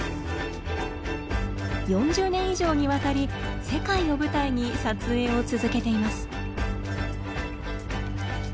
４０年以上にわたり世界を舞台に撮影を続けています。